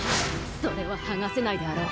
それは剥がせないであろう。